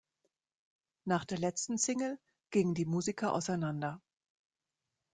Nach der letzten Single gingen die Musiker auseinander.